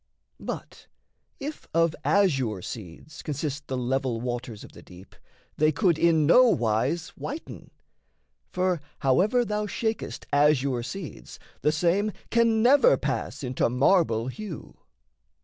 But if of azure seeds Consist the level waters of the deep, They could in nowise whiten: for however Thou shakest azure seeds, the same can never Pass into marble hue.